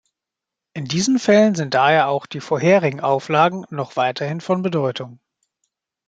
In diesen Fällen sind daher auch die vorherigen Auflagen noch weiterhin von Bedeutung.